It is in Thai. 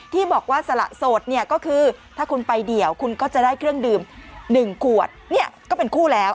ที่บอกว่าสละโสดเนี่ยก็คือถ้าคุณไปเดี่ยวคุณก็จะได้เครื่องดื่ม๑ขวดเนี่ยก็เป็นคู่แล้ว